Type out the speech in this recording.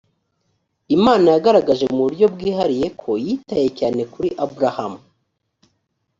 imana yagaragaje mu buryo bwihariye ko yitaye cyane kuri aburahamu